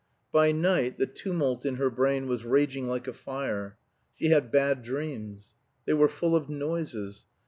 By night the tumult in her brain was raging like a fire. She had bad dreams. They were full of noises.